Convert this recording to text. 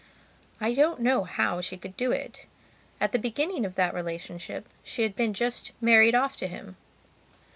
I don't know how she could do it. At the beginning of that relationship she had been just married off to him.